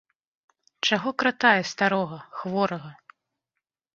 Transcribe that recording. Чаго кратае старога, хворага?